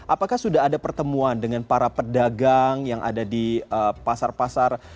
apakah sudah ada pertemuan dengan para pedagang yang ada di pasar pasar